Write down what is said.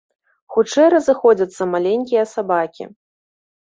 Хутчэй разыходзяцца маленькія сабакі.